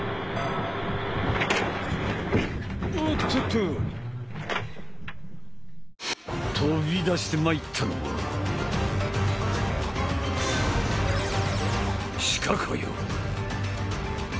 おっとっと飛び出してまいったのは鹿かよ！